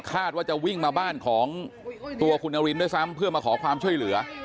คาดว่าจะวิ่งมาบ้านของตัวคุณนารินด้วยซ้ำเพื่อมาขอความช่วยเหลือ